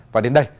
và đến đây